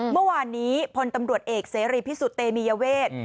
เมื่อวานนี้พลตำรวจเอกเสรีพิสุทธิเตมียเวท